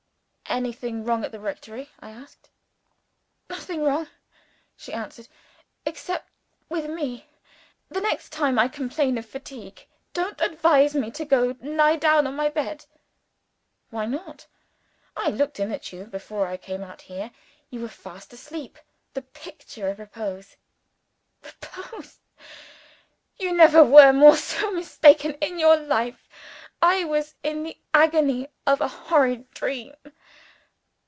"Anything wrong at the rectory?" I asked. "Nothing wrong," she answered "except with Me. The next time I complain of fatigue, don't advise me to go and lie down on my bed." "Why not? I looked in at you, before I came out here. You were fast asleep the picture of repose." "Repose? You never were more mistaken in your life. I was in the agony of a horrid dream."